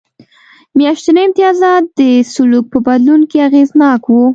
میاشتني امتیازات د سلوک په بدلون کې اغېزناک و.